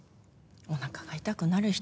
おなかが痛くなる人